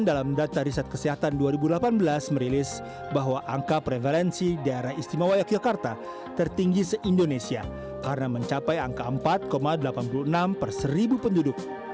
dalam data riset kesehatan dua ribu delapan belas merilis bahwa angka prevalensi daerah istimewa yogyakarta tertinggi se indonesia karena mencapai angka empat delapan puluh enam per seribu penduduk